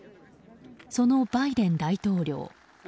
そのバイデン大統領。